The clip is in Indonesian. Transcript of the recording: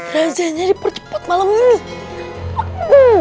razia nyari percepat malam ini